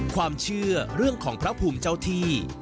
ความเชื่อเรื่องของพระภูมิเจ้าที่